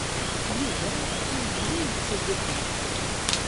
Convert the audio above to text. Yuba ur yelli yettaggad tamettant.